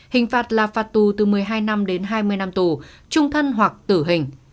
hình phạt là phạt tù từ một mươi hai năm đến hai mươi năm tù trung thân hoặc tử hình